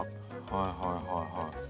はいはいはいはい。